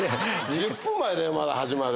１０分前だよまだ始まる。